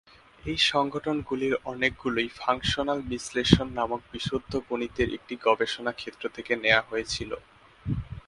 এই সংগঠনগুলির অনেকগুলিই ফাংশনাল বিশ্লেষণ নামক বিশুদ্ধ গণিতের একটি গবেষণা ক্ষেত্র থেকে নেয়া হয়েছিল।